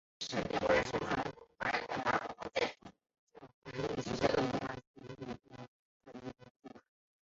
学识丰富的滕斯托尔主教曾大力支持伊拉斯谟的翻译工作。